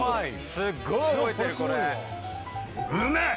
すっごい覚えてるこれ。